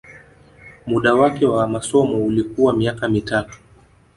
Muda wake wa masomo ulikuwa miaka mitatu